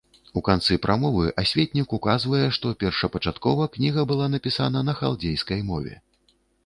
У канцы прамовы асветнік указвае, што першапачаткова кніга была напісана на халдзейскай мове.